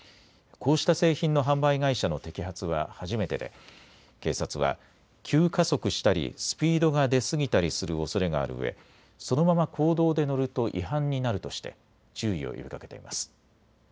こうした製品の販売会社の摘発は初めてで警察は急加速したりスピードが出すぎたりするおそれがあるうえ、そのまま公道で乗ると違反になるとして注意を呼びかけています。